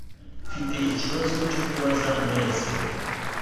Mfite ikibazo cyo kubaza mwese.